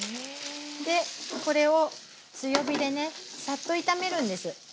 でこれを強火でねサッと炒めるんです。